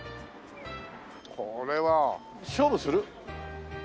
これは勝負する？